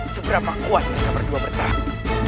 seberapa kuat mereka berdua bertahan